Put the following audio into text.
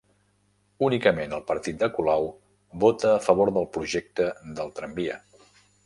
Únicament el partit de Colau vota a favor del projecte del tramvia